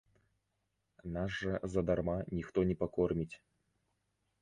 Нас жа задарма ніхто не пакорміць.